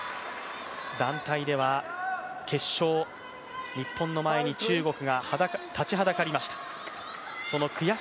団体では決勝、日本の前に中国が立ちはだかりました。